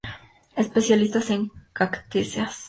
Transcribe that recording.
Especialista en cactáceas.